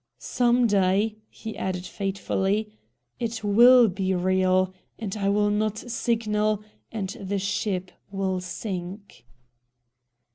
"Some day," he added fatefully, "it WILL be real, and I will NOT signal, and the ship will sink!"